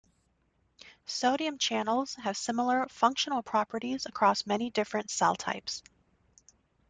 Sodium channels have similar functional properties across many different cell types.